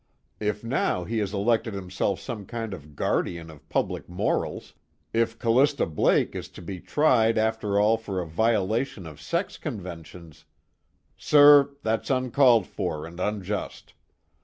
If now he has elected himself some kind of guardian of public morals, if Callista Blake is to be tried after all for a violation of sex conventions " "Sir, that's uncalled for and unjust.